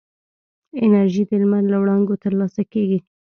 انرژي د لمر له وړانګو ترلاسه کېږي.